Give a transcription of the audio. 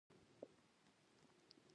ده خپل هيواد لپاره کوښښ کوم